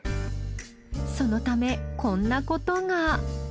そのためこんなことが。